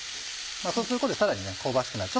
そうすることでさらに香ばしくなる。